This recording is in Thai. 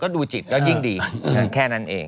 ดูจิตก็ยิ่งดีแค่นั้นเอง